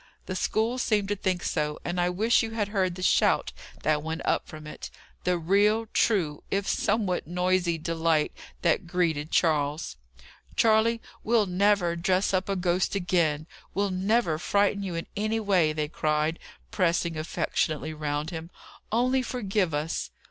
The school seemed to think so; and I wish you had heard the shout that went up from it the real, true, if somewhat noisy delight, that greeted Charles. "Charley, we'll never dress up a ghost again! We'll never frighten you in any way!" they cried, pressing affectionately round him. "Only forgive us!"